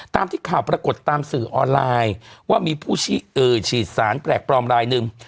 ตามที่ข่าวปรากฏตามสื่อออนไลน์ว่ามีผู้ฉีดสารแปลกปลอมรายหนึ่ง